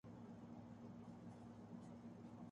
کیا یہ سب کچھ محض نشستن و گفتن و برخاستن کے لیے تھا؟